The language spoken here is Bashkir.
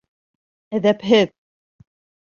Әҙәпһеҙ!